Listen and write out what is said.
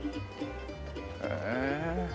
へえ。